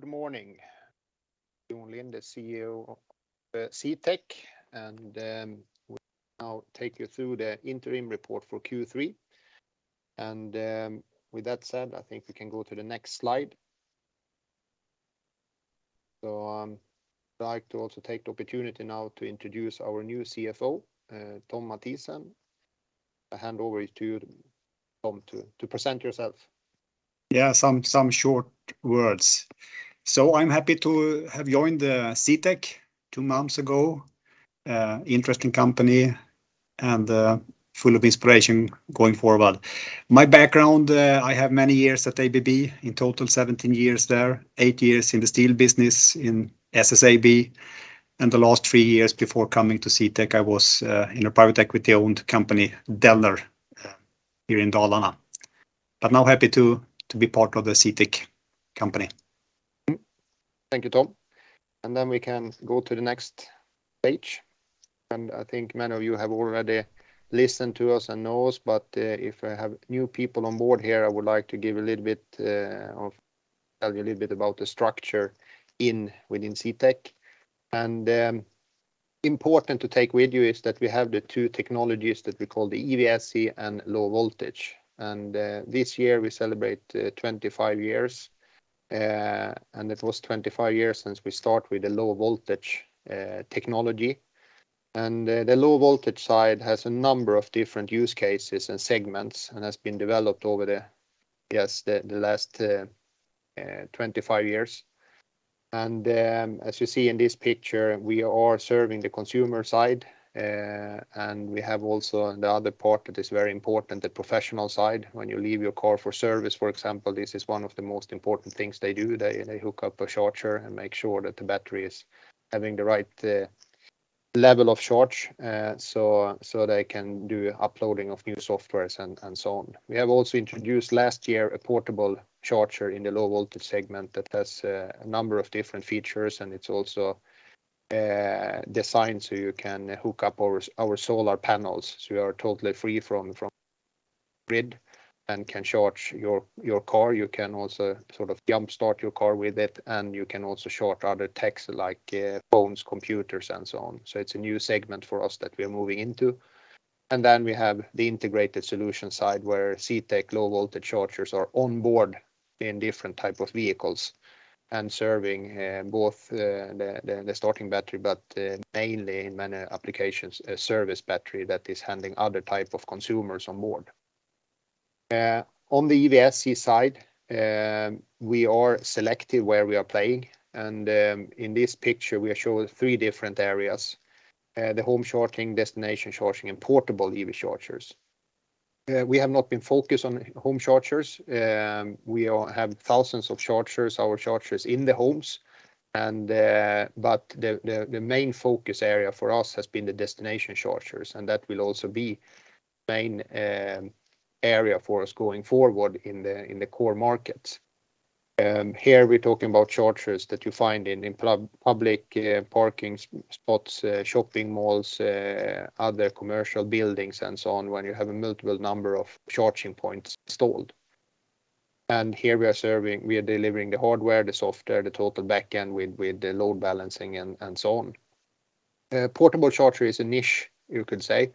Good morning. Jon Lind, the CEO of CTEK, and we'll now take you through the Interim Report for Q3. With that said, I think we can go to the next slide. I'd like to also take the opportunity now to introduce our new CFO, Thom Mathisen. I hand over to you, Thom, to present yourself. Yeah, some short words. I'm happy to have joined CTEK two months ago. Interesting company and full of inspiration going forward. My background, I have many years at ABB, in total 17 years there. Eight years in the steel business in SSAB, and the last three years before coming to CTEK, I was in a private equity-owned company, Dellner, here in Dalarna. Now happy to be part of the CTEK company. Thank you, Thom. Then we can go to the next page. I think many of you have already listened to us and know us, but if I have new people on board here, I would like to tell you a little bit about the structure within CTEK. Important to take with you is that we have the two technologies that we call the EVSE and low voltage. This year we celebrate 25 years, and it was 25 years since we start with the low voltage technology. The low voltage side has a number of different use cases and segments and has been developed over the last 25 years. As you see in this picture, we are serving the consumer side, and we have also the other part that is very important, the professional side. When you leave your car for service, for example, this is one of the most important things they do. They hook up a charger and make sure that the battery is having the right level of charge, so they can do uploading of new software and so on. We have also introduced last year a portable charger in the low voltage segment that has a number of different features, and it's also designed so you can hook up our solar panels, so you are totally free from grid and can charge your car. You can also sort of jump-start your car with it, and you can also charge other techs like, phones, computers, and so on. It's a new segment for us that we're moving into. Then we have the integrated solution side, where CTEK low voltage chargers are on board in different type of vehicles and serving both the starting battery, but mainly in many applications, a service battery that is handling other type of consumers on board. On the EVSE side, we are selective where we are playing, and in this picture, we are showing three different areas, the home charging, destination charging, and portable EV chargers. We have not been focused on home chargers. We all have thousands of chargers, our chargers in the homes, and but the main focus area for us has been the destination chargers, and that will also be main area for us going forward in the core markets. Here we're talking about chargers that you find in public parking spots, shopping malls, other commercial buildings, and so on, when you have a multiple number of charging points installed. Here we are serving, we are delivering the hardware, the software, the total back end with the load balancing and so on. Portable charger is a niche, you could say,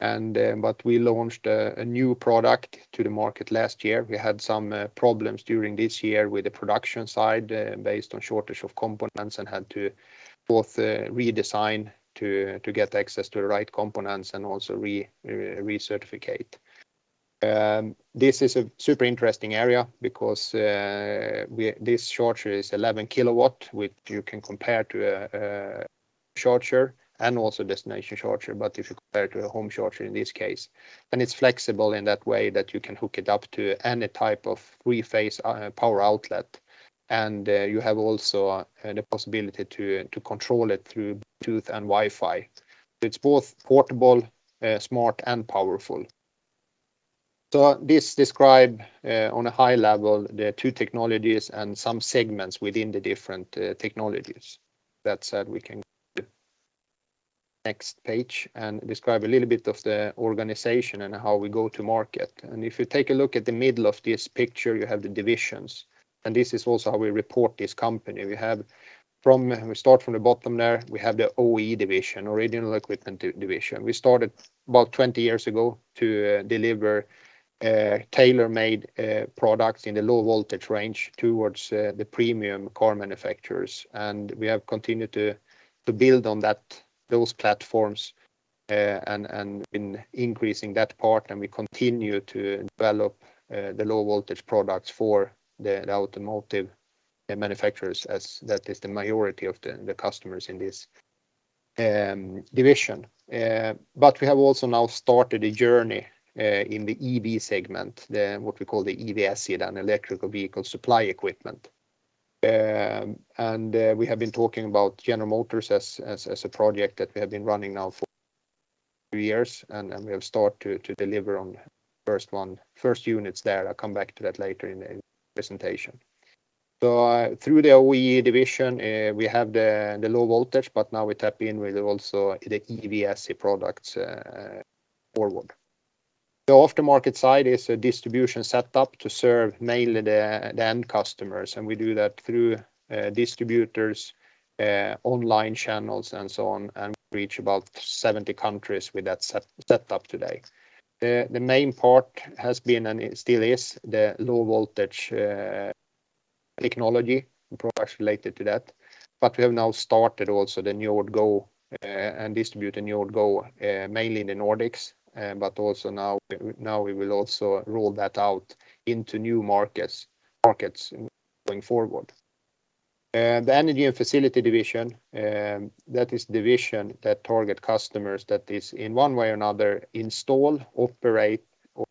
and but we launched a new product to the market last year. We had some problems during this year with the production side based on shortage of components and had to both redesign to get access to the right components and also recertificate. This is a super interesting area because this charger is 11 kW, which you can compare to a charger and also destination charger. If you compare it to a home charger in this case, and it's flexible in that way that you can hook it up to any type of three-phase power outlet. You have also the possibility to control it through Bluetooth and Wi-Fi. It's both portable, smart, and powerful. This describe on a high level the two technologies and some segments within the different technologies. That said, we can go to next page and describe a little bit of the organization and how we go to market. If you take a look at the middle of this picture, you have the divisions, and this is also how we report this company. We start from the bottom there. We have the OE division, original equipment division. We started about 20 years ago to deliver tailor-made products in the low voltage range towards the premium car manufacturers. We have continued to build on that, those platforms, and been increasing that part, and we continue to develop the low voltage products for the automotive manufacturers as that is the majority of the customers in this division. We have also now started a journey in the EV segment, what we call the EVSE, the electric vehicle supply equipment. We have been talking about General Motors as a project that we have been running now for two years, and we'll start to deliver on first units there. I'll come back to that later in the presentation. Through the OE division, we have the low voltage, but now we tap in with also the EVSE products going forward. The aftermarket side is a distribution setup to serve mainly the end customers, and we do that through distributors, online channels and so on, and we reach about 70 countries with that setup today. The main part has been and it still is the low voltage technology and products related to that. We have now started also the NJORD GO and distribute the NJORD GO mainly in the Nordics but also now we will also roll that out into new markets going forward. The energy and facility division that is division that target customers that is in one way or another install, operate or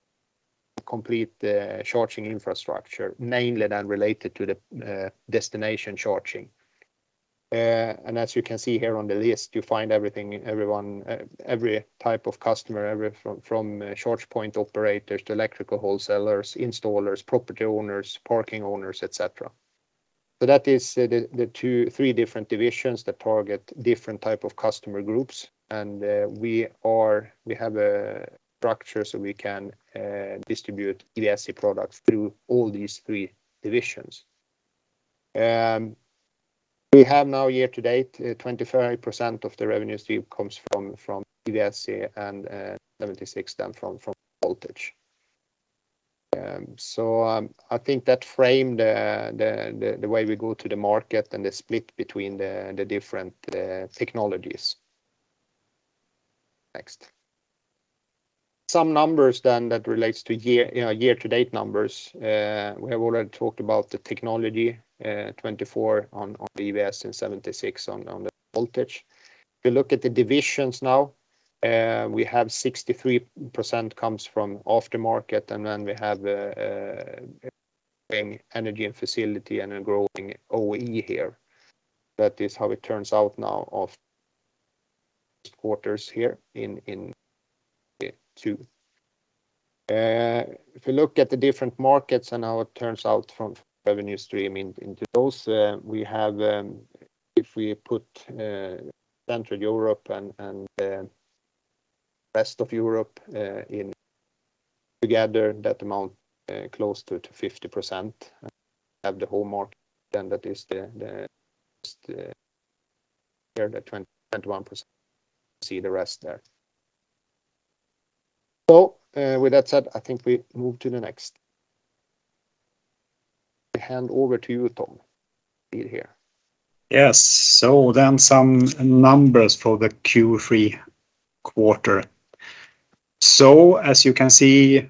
complete the charging infrastructure, mainly then related to the destination charging. As you can see here on the list, you find everything, everyone, every type of customer. From charge point operators to electrical wholesalers, installers, property owners, parking owners, et cetera. That is the three different divisions that target different type of customer groups. We have a structure, so we can distribute EVSE products through all these three divisions. We have now year to date, 25% of the revenue stream comes from EVSE and 76% then from voltage. I think that frame the way we go to the market and the split between the different technologies. Next. Some numbers then that relates to year, you know, year to date numbers. We have already talked about the technology, 24% on EVSE and 76% on the voltage. If you look at the divisions now, we have 63% comes from aftermarket, and then we have energy and facility and a growing OE here. That is how it turns out now of quarters here in 2022. If you look at the different markets and how it turns out from revenue stream into those, we have, if we put, Central Europe and rest of Europe, in together that amount, close to 50%. Have the home market then that is the 21%. See the rest there. With that said, I think we move to the next. I hand over to you, Thom, here. Yes. Some numbers for the Q3 quarter. As you can see,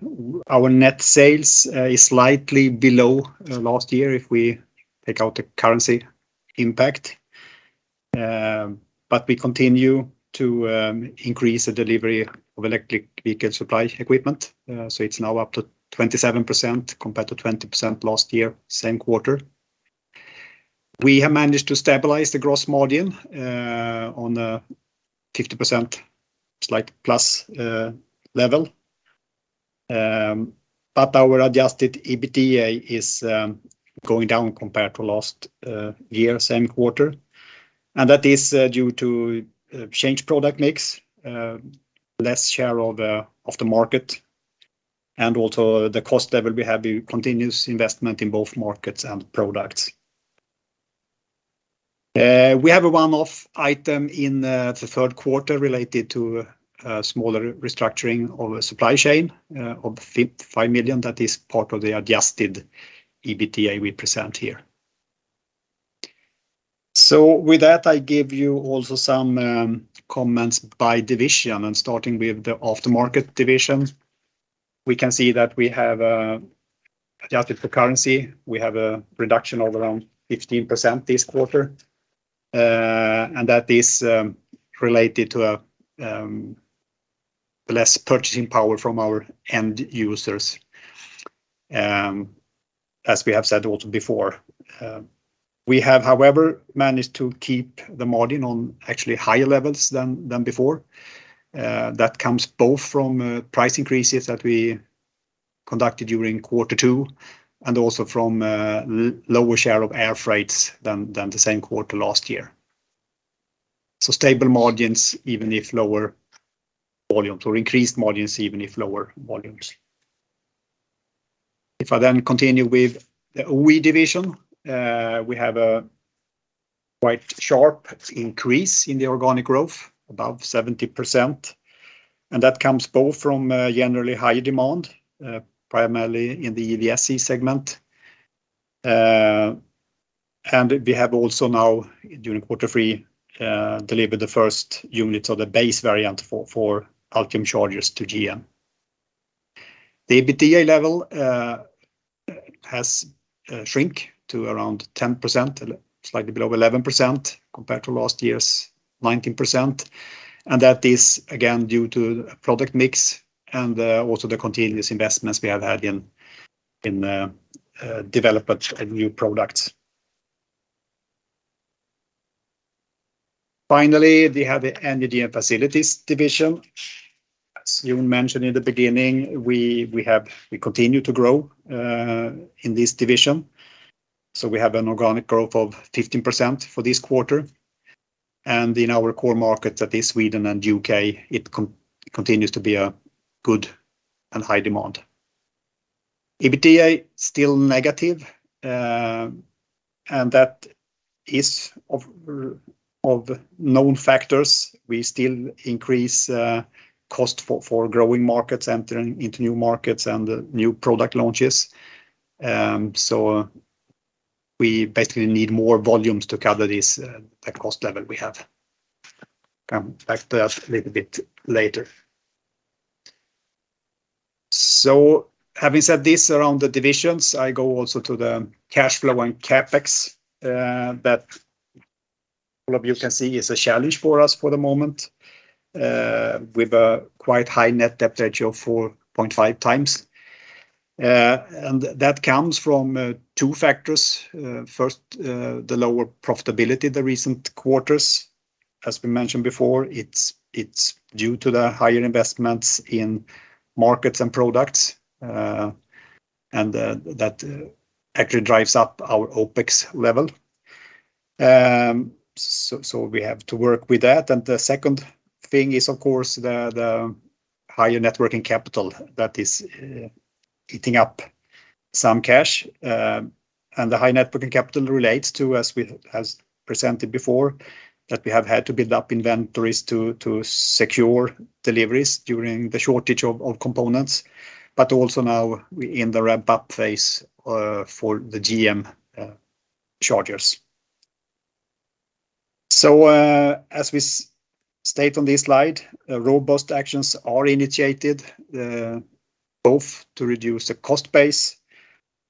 our net sales is slightly below last year if we take out the currency impact. We continue to increase the delivery of electric vehicle supply equipment. It's now up to 27% compared to 20% last year, same quarter. We have managed to stabilize the gross margin on a 50% slight plus level. Our adjusted EBITDA is going down compared to last year, same quarter. That is due to change product mix, less share of the market and also the cost level we have, the continuous investment in both markets and products. We have a one-off item in the third quarter related to smaller restructuring of a supply chain of 55 million that is part of the adjusted EBITDA we present here. With that, I give you also some comments by division and starting with the aftermarket division. We can see that we have adjusted for currency. We have a reduction of around 15% this quarter, and that is related to less purchasing power from our end users, as we have said also before. We have, however, managed to keep the margin on actually higher levels than before. That comes both from price increases that we conducted during quarter two and also from lower share of air freight than the same quarter last year. Stable margins even if lower volumes or increased margins even if lower volumes. If I then continue with the OE division, we have a quite sharp increase in the organic growth, above 70%, and that comes both from generally higher demand primarily in the EVSE segment. We have also now during quarter three delivered the first units of the base variant for Ultium chargers to GM. The EBITDA level has shrunk to around 10%, slightly below 11% compared to last year's 19% and that is again due to product mix and also the continuous investments we have had in development of new products. Finally, we have the Energy and Facilities division. As you mentioned in the beginning, we continue to grow in this division. We have an organic growth of 15% for this quarter. In our core markets that is Sweden and U.K., it continues to be a good and high demand. EBITDA is still negative, and that is from known factors. We still increase cost for growing markets, entering into new markets and new product launches. We basically need more volumes to cover this, the cost level we have. Come back to that a little bit later. Having said this around the divisions, I go also to the cash flow and CapEx, that all of you can see is a challenge for us for the moment, with a quite high net debt ratio of 4.5x. That comes from two factors. First, the lower profitability in the recent quarters, as we mentioned before. It's due to the higher investments in markets and products, and that actually drives up our OpEx level. We have to work with that. The second thing is, of course, the higher net working capital that is eating up some cash. The high net working capital relates to, as presented before, that we have had to build up inventories to secure deliveries during the shortage of components, but also now we're in the ramp-up phase for the GM chargers. As we state on this slide, robust actions are initiated both to reduce the cost base,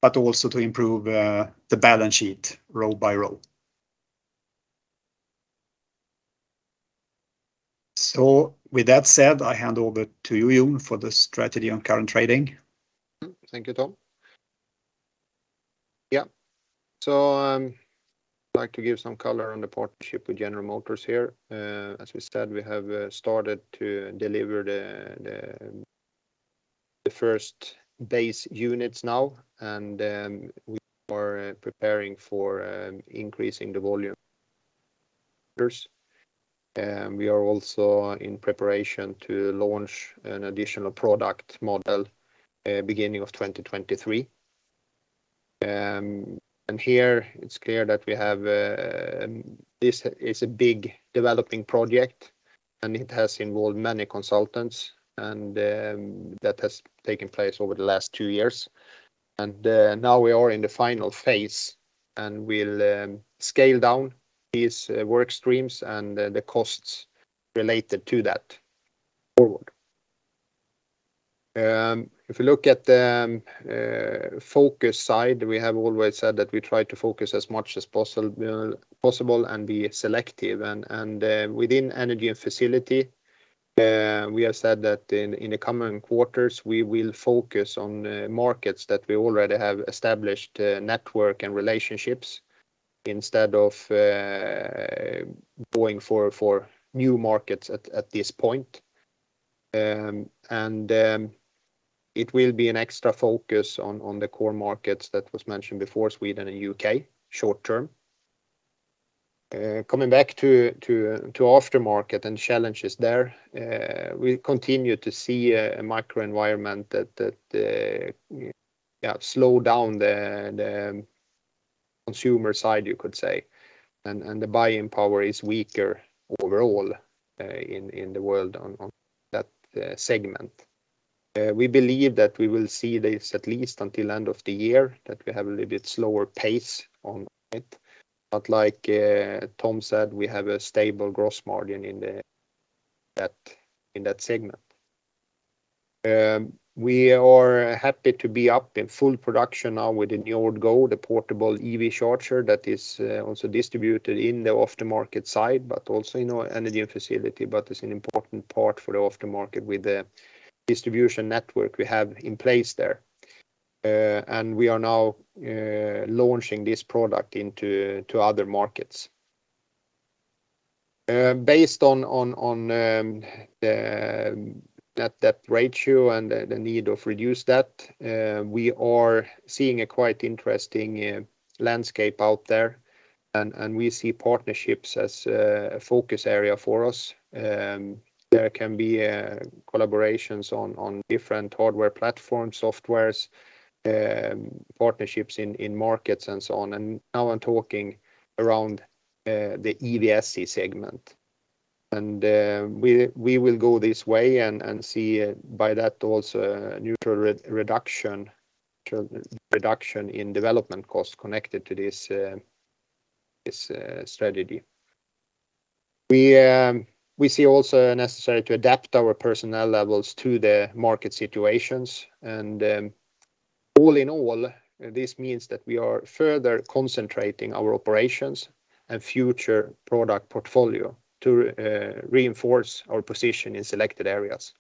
but also to improve the balance sheet row by row. With that said, I hand over to you, Jon, for the strategy on current trading. Thank you, Thom. Yeah, I'd like to give some color on the partnership with General Motors here. As we said, we have started to deliver the first base units now, and we are preparing for increasing the volume. We are also in preparation to launch an additional product model beginning of 2023. Here it's clear that this is a big development project, and it has involved many consultants, and that has taken place over the last two years. Now we are in the final phase, and we'll scale down these work streams and the costs related to that forward. If you look at the cost side, we have always said that we try to focus as much as possible and be selective. Within energy and facility, we have said that in the coming quarters, we will focus on markets that we already have established network and relationships instead of going for new markets at this point. It will be an extra focus on the core markets that was mentioned before, Sweden and U.K., short-term. Coming back to aftermarket and challenges there, we continue to see a macro environment that slow down the consumer side, you could say. The buying power is weaker overall in the world on that segment. We believe that we will see this at least until end of the year, that we have a little bit slower pace on it. Like, Thom said, we have a stable gross margin in that segment. We are happy to be up in full production now with the NJORD GO, the portable EV charger that is also distributed in the aftermarket side, but also in our OEM and fleet, but it's an important part for the aftermarket with the distribution network we have in place there. We are now launching this product into other markets. Based on the net debt ratio and the need to reduce debt, we are seeing a quite interesting landscape out there and we see partnerships as a focus area for us. There can be collaborations on different hardware platforms, software, partnerships in markets and so on. Now I'm talking about the EVSE segment. We will go this way and see, by that, also a neutral reduction in development costs connected to this strategy. We also see it necessary to adapt our personnel levels to the market situations. All in all, this means that we are further concentrating our operations and future product portfolio to reinforce our position in selected areas.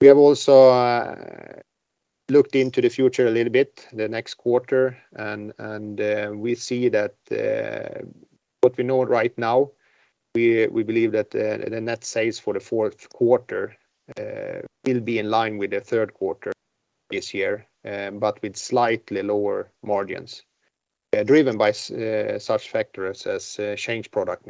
We have also looked into the future a little bit, the next quarter. We see that what we know right now, we believe that the net sales for the fourth quarter will be in line with the third quarter this year, but with slightly lower margins, driven by such factors as changed product.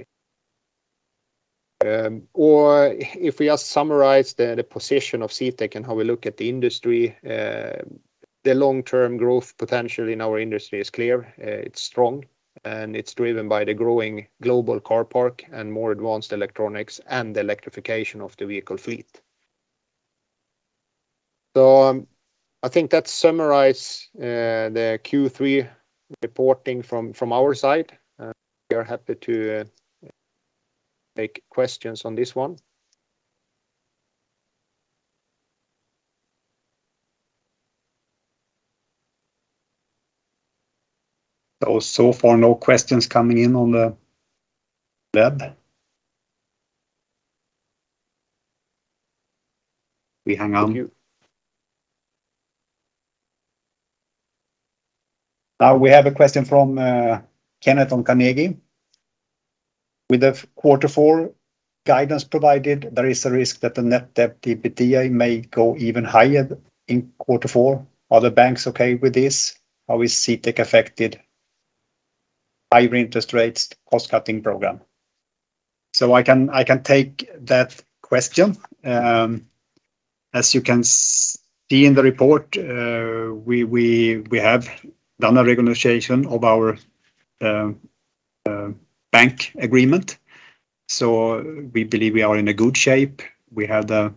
If we just summarize the position of CTEK and how we look at the industry, the long-term growth potential in our industry is clear. It's strong, and it's driven by the growing global car park and more advanced electronics and the electrification of the vehicle fleet. I think that summarize the Q3 reporting from our side. We are happy to take questions on this one. So far, no questions coming in on the web. We hang on. Now we have a question from Kenneth on Carnegie. With the quarter four guidance provided, there is a risk that the net debt EBITDA may go even higher in quarter four. Are the banks okay with this? How is CTEK affected by interest rates cost-cutting program? I can take that question. As you can see in the report, we have done a renegotiation of our bank agreement. We believe we are in a good shape. We have the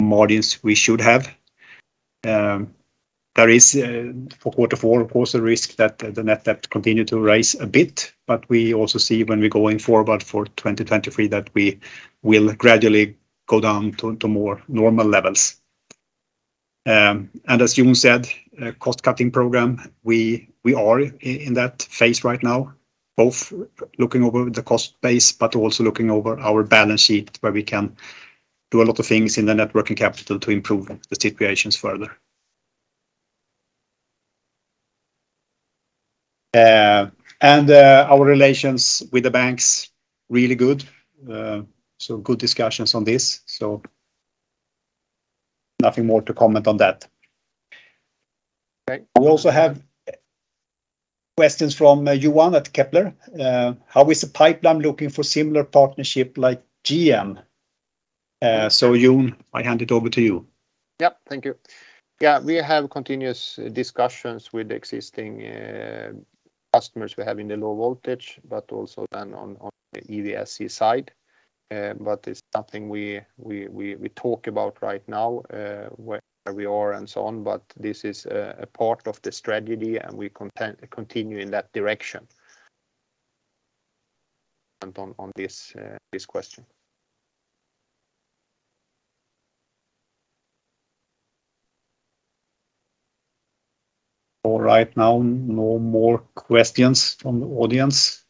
margins we should have. There is, for quarter four, of course, a risk that the net debt continue to rise a bit, but we also see when we're going forward for 2023 that we will gradually go down to more normal levels. As Jon said, cost-cutting program, we are in that phase right now, both looking over the cost base but also looking over our balance sheet, where we can do a lot of things in the net working capital to improve the situations further. Our relations with the banks, really good. Good discussions on this, nothing more to comment on that. Great. We also have questions from Johan at Kepler. How is the pipeline looking for similar partnership like GM? Jon, I hand it over to you. Yep. Thank you. Yeah. We have continuous discussions with existing customers we have in the low voltage, but also then on the EVSE side. But it's nothing we talk about right now, where we are and so on, but this is a part of the strategy, and we continue in that direction. On this question. Right now, no more questions from the audience.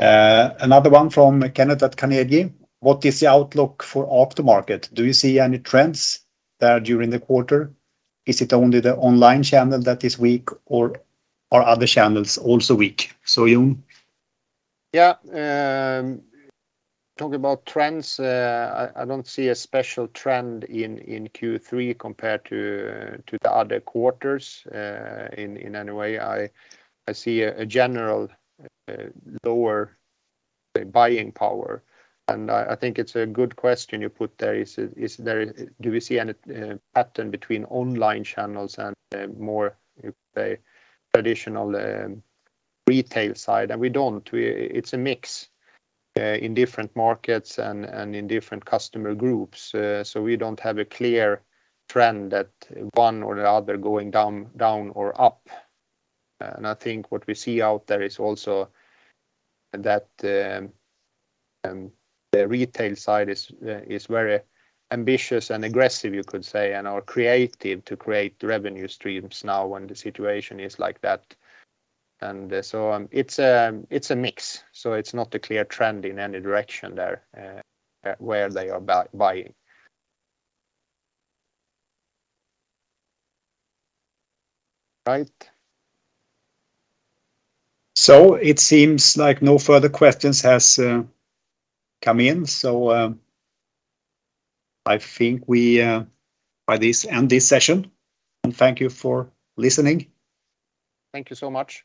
Another one from Kenneth at Carnegie. What is the outlook for aftermarket? Do you see any trends there during the quarter? Is it only the online channel that is weak, or are other channels also weak? Jon. Yeah. Talk about trends, I don't see a special trend in Q3 compared to the other quarters in any way. I see a general lower buying power, and I think it's a good question you put there. Do we see any pattern between online channels and more, say, traditional retail side? We don't. It's a mix in different markets and in different customer groups. So we don't have a clear trend that one or the other going down or up. And I think what we see out there is also that the retail side is very ambitious and aggressive, you could say, and are creative to create revenue streams now when the situation is like that. It's a mix, so it's not a clear trend in any direction there, where they are buying. Right. It seems like no further questions has come in, so I think we end this session, and thank you for listening. Thank you so much.